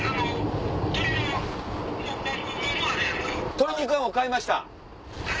鶏肉はもう買いました。